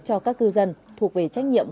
cho các cư dân thuộc về trách nhiệm